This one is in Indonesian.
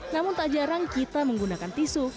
namun tak jarang kita menggunakan tisu